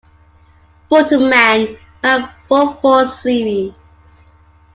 "Button Man" ran for four series.